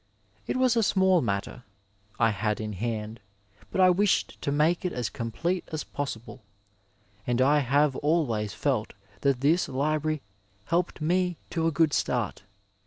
It was a small matter I had in hand but I wished to make it as complete as possible, and I have al ways felt that this library helped me to a good start.